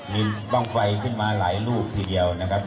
มีบ้างไฟขึ้นมาหลายลูกทีเดียวนะครับ